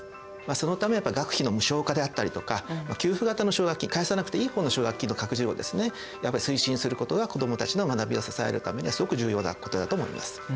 そのため学費の無償化であったりとか給付型の奨学金返さなくていい方の奨学金の拡充を推進することが子どもたちの学びを支えるためにはすごく重要なことだと思います。